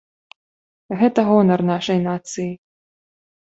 Гэта гонар нашай нацыі.